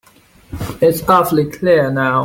It's awfully clear now.